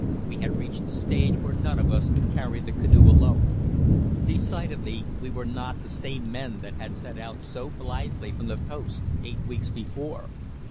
We had reached the stage where none of us could carry the canoe alone. Decidedly we were not the same men that had set out so blithely from the post eight weeks before.